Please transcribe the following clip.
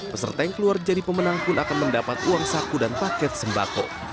peserta yang keluar jadi pemenang pun akan mendapat uang saku dan paket sembako